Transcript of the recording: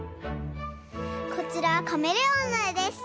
こちらはカメレオンのえです。